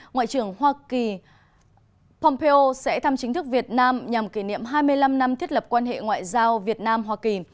ngoại trưởng hoa kỳ pompeo sẽ thăm chính thức việt nam nhằm kỷ niệm hai mươi năm năm thiết lập quan hệ ngoại giao việt nam hoa kỳ